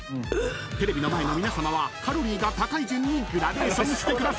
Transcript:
［テレビの前の皆さまはカロリーが高い順にグラデーションしてください］